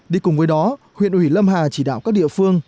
đi cùng với đó huyện ủy lâm hà chỉ đạo các địa phương